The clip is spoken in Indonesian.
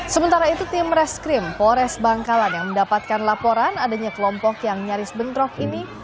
sementara itu tim reskrim pores bangkalan yang mendapatkan laporan adanya kelompok yang nyaris bentrok ini